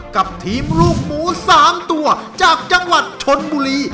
กับทีมลูกหมู๓ตัวจากจังหวัดชนบุรี